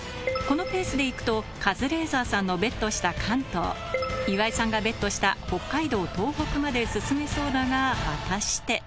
このペースで行くとカズレーザーさんのＢＥＴした関東岩井さんがＢＥＴした北海道・東北まで進めそうだが果たして？